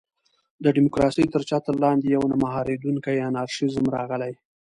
د ډیموکراسۍ تر چتر لاندې یو نه مهارېدونکی انارشېزم راغلی.